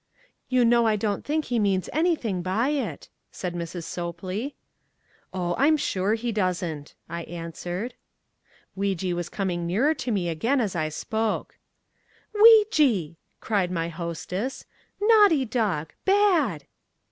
"You know I don't think he means anything by it," said Mrs. Sopley. "Oh, I'm SURE he doesn't," I answered. Weejee was coming nearer to me again as I spoke. "WEEJEE!!" cried my hostess, "naughty dog, bad!"